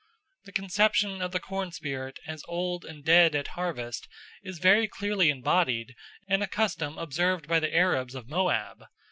The conception of the corn spirit as old and dead at harvest is very clearly embodied in a custom observed by the Arabs of Moab.